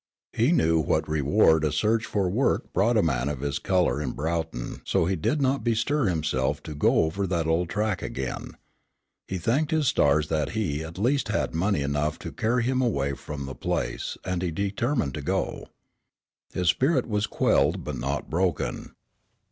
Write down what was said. He knew what reward a search for work brought a man of his color in Broughton so he did not bestir himself to go over the old track again. He thanked his stars that he, at least, had money enough to carry him away from the place and he determined to go. His spirit was quelled, but not broken.